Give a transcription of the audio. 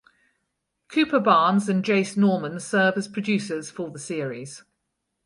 Cooper Barnes and Jace Norman serve as producers for the series.